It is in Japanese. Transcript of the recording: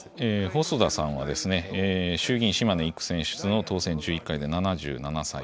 細田さんはですね、衆議院島根１区選出の当選１１回で７７歳。